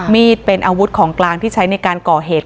เป็นอาวุธของกลางที่ใช้ในการก่อเหตุ